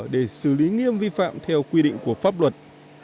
để xử lý nghiêm vi phạm theo quy định của pháp luật